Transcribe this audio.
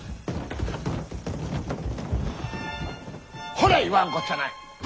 ほら言わんこっちゃない！